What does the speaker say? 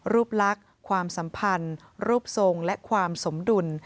รูปลักษณ์ความสัมพันธ์รูปทรงและความสมดุล